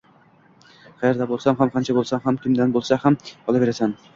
Qayerda bo’lsa ham, qancha bo’lsa ham, kimdan bo’lsa ham olaverasan!